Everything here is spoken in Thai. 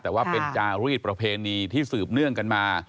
แต่ว่าเป็นจารีสประเพณีที่สืบเนื่องกันมา